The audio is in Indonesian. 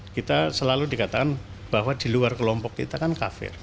kita selalu dikatakan bahwa di luar kelompok kita kan kafir